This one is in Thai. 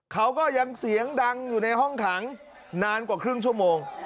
เขาก็ยังเสียงดังอยู่ในห้องขังนานกว่าครึ่งชั่วโมง